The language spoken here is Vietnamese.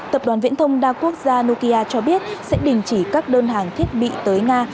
tập đoàn viễn thông đa quốc gia nokia cho biết sẽ đình chỉ các đơn hàng thiết bị tới nga